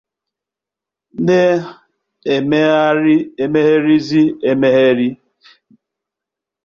ná-emeghèrizị emeghèri.